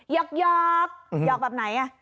หยอกหยอกแบบไหนอ่ะ